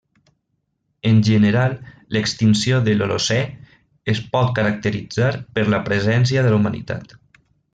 En general, l'extinció de l'Holocè es pot caracteritzar per la presència de la humanitat.